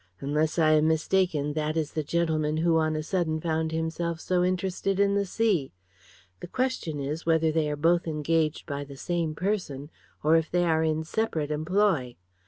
Unless I am mistaken that is the gentleman who on a sudden found himself so interested in the sea. The question is, whether they are both engaged by the same person, or if they are in separate employ.